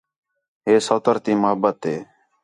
ہے سوتر تی محبت ہی